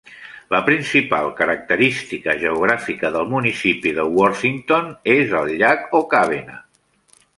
La principal característica geogràfica del municipi de Worthington és el llac Okabena.